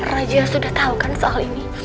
raja sudah tahu kan soal ini